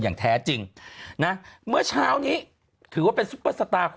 อย่างแท้จริงนะเมื่อเช้านี้ถือเป็นซูเปอร์สตาร